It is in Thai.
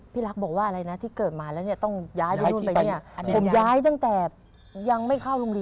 พลาดตั้งแต่